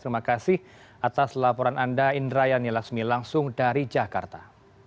terima kasih atas laporan anda indra yanni lasmi langsung dari jakarta